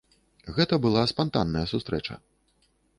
Гэта была спантанная сустрэча.